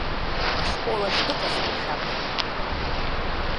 Ашкол аҿы дыҟазма шәаб?